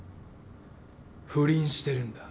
不倫してるんだ。